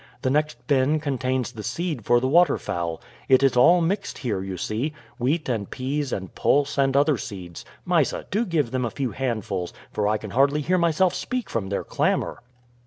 The next bin contains the seed for the waterfowl. It is all mixed here, you see. Wheat and peas and pulse and other seeds. Mysa, do give them a few handfuls, for I can hardly hear myself speak from their clamor.